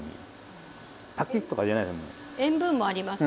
塩分もありますしね。